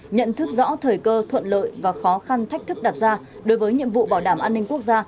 nhận thức rõ thời cơ thuận lợi và khó khăn thách thức đặt ra đối với nhiệm vụ bảo đảm an ninh quốc gia